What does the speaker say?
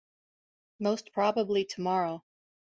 Most probably tomorrow.